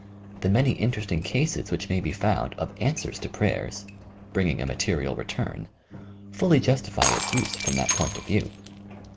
The many interesting cases which may be found, of "answers to prayers" (bringing a material return) fully justify its use from that point of view.